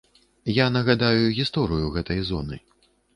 Я нагадаю гісторыю гэтай зоны.